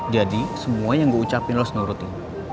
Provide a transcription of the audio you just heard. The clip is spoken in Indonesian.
jadi semua yang gue ucapin lo senurutnya